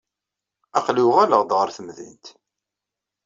Aql-i uɣaleɣ-d ɣer temdint.